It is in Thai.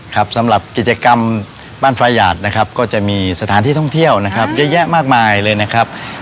ครับสำหรับกิจกรรมบ้านพระหยาดนะครับก็จะมีสถานที่ท่องเที่ยวนะครับเยอะแยะมากมายเลยนะครับ